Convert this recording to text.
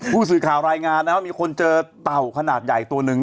ผู้สื่อข่าวรายงานนะครับว่ามีคนเจอเต่าขนาดใหญ่ตัวหนึ่ง